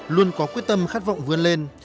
luôn có quyết tâm khát vọng vươn lên